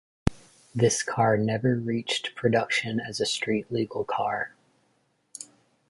This car never reached production as a street-legal car.